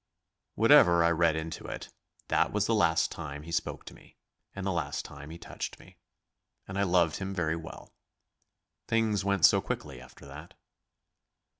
Whatever I read into it, that was the last time he spoke to me, and the last time he touched me. And I loved him very well. Things went so quickly after that.